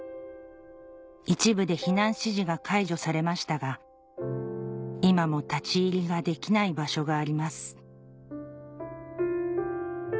一部で避難指示が解除されましたが今も立ち入りができない場所があります